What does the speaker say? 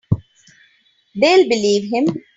They'll believe him.